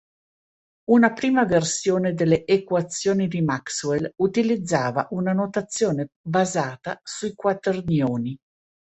Una prima versione delle equazioni di Maxwell utilizzava una notazione basata sui quaternioni.